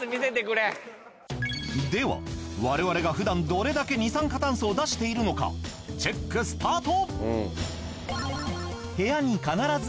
では我々がふだんどれだけ二酸化炭素を出しているのかチェックスタート。